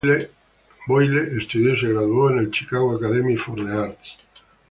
Boyle estudió y se graduó en The Chicago Academy for the Arts.